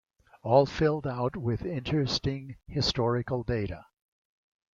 All filled out with interesting historical data.